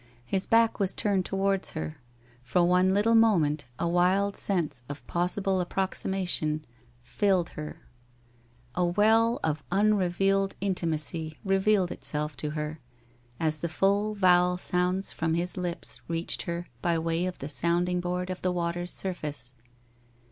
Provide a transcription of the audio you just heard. His back was turned towards her. For one little moment a wild sense of possible approximation filled her, a well of unrevealed intimacy revealed itself to her, as the full vowel sounds from his lips reached her by way of the sounding board of the water's surface.